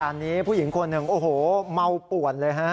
อันนี้ผู้หญิงคนหนึ่งโอ้โหเมาป่วนเลยฮะ